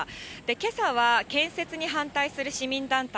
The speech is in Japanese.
けさは、建設に反対する市民団体